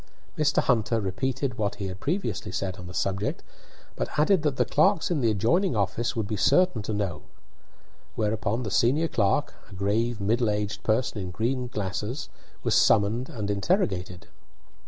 Mr. Hunter repeated what he had previously said on the subject, but added that the clerks in the adjoining office would be certain to know. Whereupon the senior clerk, a grave, middle aged person in green glasses, was summoned and interrogated.